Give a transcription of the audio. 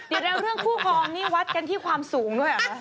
อื้อเรื่องคู่ครองนี่วัดกันที่ความสูงด้วยหรือเปล่า